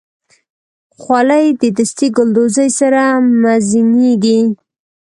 خولۍ د دستي ګلدوزۍ سره مزینېږي.